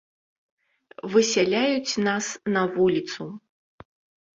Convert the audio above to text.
Высяляюць нас на вуліцу.